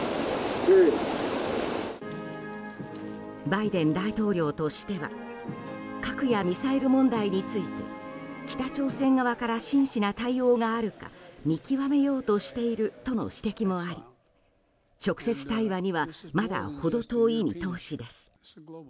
バイデン大統領としては核やミサイル問題について北朝鮮側から真摯な対応があるか見極めようとしているとの指摘もあり直接対話にはまだほど遠い見通しです。